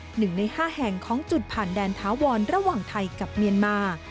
หนึ่งในห้าแห่งของจุดผ่านแดนถาวรระหว่างไทยกับเมียนมา